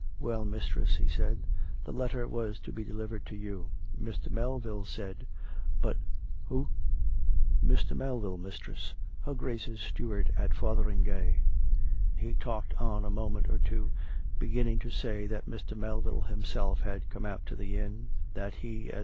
" Well, mistress," he said, " the letter was to be delivered to you, Mr. Melville said; but " "Who?" " Mr. Melville, mistress : her Grace's steward at Fother ingay." He talked on a moment or two, beginning to say that Mr. Melville liimself had come out to the inn; that he, as 334 COME RACK! COME ROPE!